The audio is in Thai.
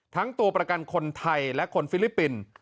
ตัวประกันคนไทยและคนฟิลิปปินส์